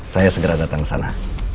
saya segera datang ke sana